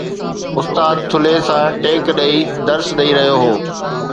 استاد ٿلهي سان ٽيڪ ڏئي درس ڏئي رهيو هو.